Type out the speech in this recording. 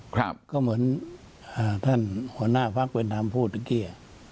ก็เหมือนท่านหัวหน้าพักเป็นธรรมพูดเมื่อกี้